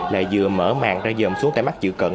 là vừa mở mạng ra dồm xuống tay mắt dự cận